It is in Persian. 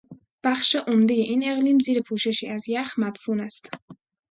بخش عمدهی این اقلیم زیر پوششی از یخ مدفون است.